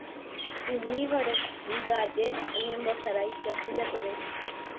Umívare ndaje oñembosarái Jasy Jatere.